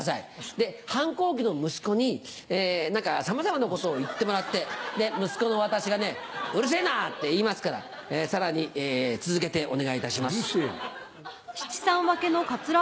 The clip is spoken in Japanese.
で反抗期の息子にさまざまなことを言ってもらって息子の私が「うるせぇな！」って言いますからさらに続けてお願いいたします。